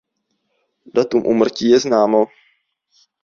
Datum úmrtí je známo.